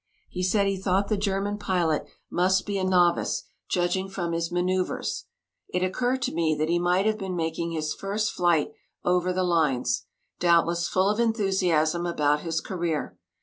He said he thought the German pilot must be a novice, judging from his manoeuvres. It occurred to me that he might have been making his first flight over the lines, doubtless full of enthusiasm about his career.